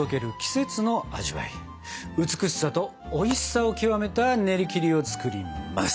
美しさとおいしさを極めたねりきりを作ります！